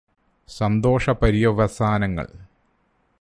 സന്തോഷ പര്യവസാനങ്ങള്